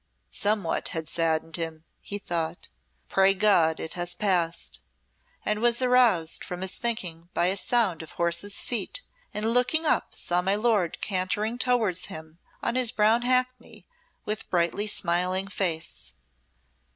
"Somewhat had saddened him," he thought. "Pray God it has passed," and was aroused from his thinking by a sound of horses' feet, and looking up saw my lord cantering towards him on his brown hackney, and with brightly smiling face.